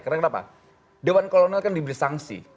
karena kenapa dewan kolonel kan diberi sangsi